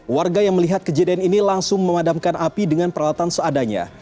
warga yang melihat kejadian ini langsung memadamkan api dengan peralatan seadanya